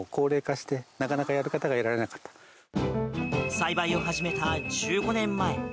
栽培を始めた１５年前。